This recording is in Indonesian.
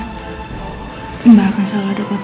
kamu akan selalu ada untuk kamu